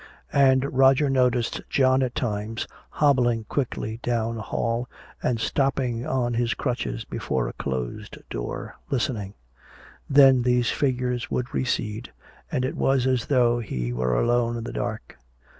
And Roger noticed John at times hobbling quickly down a hall and stopping on his crutches before a closed door, listening. Then these figures would recede, and it was as though he were alone in the dark.